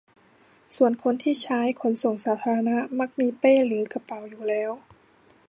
ส่วนคนที่ใช้ขนส่งสาธารณะมักมีเป้หรือกระเป๋าอยู่แล้ว